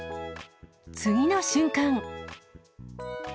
次の瞬間。